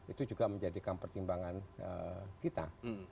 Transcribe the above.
itu juga menjadikan pertimbangan kita